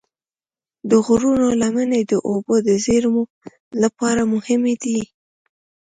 د غرونو لمنې د اوبو د زیرمو لپاره مهمې دي.